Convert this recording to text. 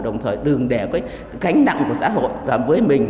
đồng thời đừng để cái gánh nặng của xã hội làm với mình